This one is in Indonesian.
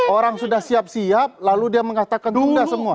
orang sudah siap siap lalu dia mengatakan tunda semua